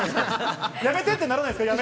やめて！ってならないですか？